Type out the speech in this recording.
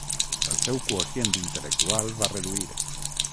El seu quocient intel·lectual va reduir.